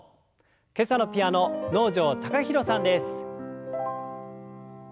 今朝のピアノ能條貴大さんです。